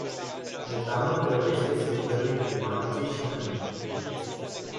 Metanul grăbește schimbările climatice și mai mult.